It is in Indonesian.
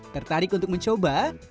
tertarik untuk mencoba